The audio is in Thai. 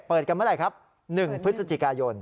เปิดกันเมื่อไหร่ครับ๑พฤศจิกายน